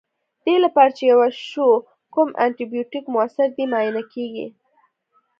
دې لپاره چې پوه شو کوم انټي بیوټیک موثر دی معاینه کیږي.